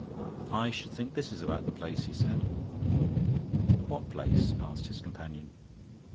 "I should think this is about the place," he said. "What place?" asked his companion.